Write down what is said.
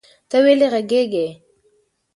ته ویلې غږیږي؟